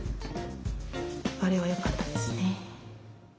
あれはよかったですね。